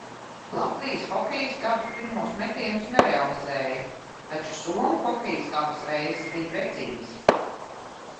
Latvijas hokejisti abus pirmos metienus nerealizēja, taču somu hokejisti abas reizes bija precīzi.